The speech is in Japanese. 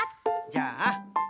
じゃあ。